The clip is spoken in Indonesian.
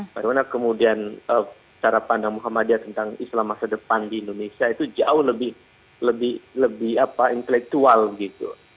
bagaimana kemudian cara pandang muhammadiyah tentang islam masa depan di indonesia itu jauh lebih intelektual gitu